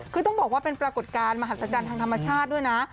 คือต้องบอกว่าเป็นปรากฏการณหัศจรรย์ทางธรรมชาติด้วยนะ